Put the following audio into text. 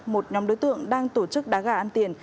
một nhóm đối tượng đang tổ chức đá gà ăn tiền